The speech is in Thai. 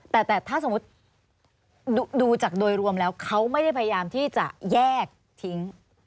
แต่ถ้าสมมุติดูจากโดยรวมแล้วเขาไม่ได้พยายามที่จะแยกทิ้ง